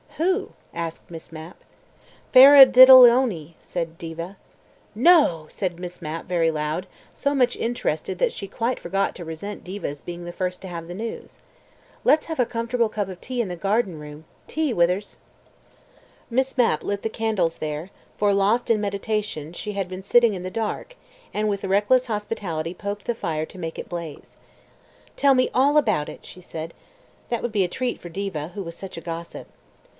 . "Who?" asked Miss Mapp. "Faradiddleony," said Diva. "No!" said Miss Mapp very loud, so much interested that she quite forgot to resent Diva's being the first to have the news. "Let's have a comfortable cup of tea in the garden room. Tea, Withers." Miss Mapp lit the candles there, for, lost in meditation, she had been sitting in the dark, and with reckless hospitality poked the fire to make it blaze. "Tell me all about it," she said. That would be a treat for Diva, who was such a gossip.